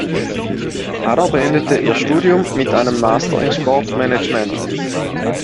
Harrer beendete ihr Studium mit einem Master in Sportmanagement.